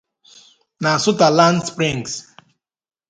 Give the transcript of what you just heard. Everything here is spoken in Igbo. na Sutherland Springs